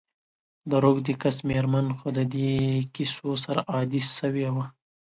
د روږدې کس میرمن خو د دي کیسو سره عادي سوي وه.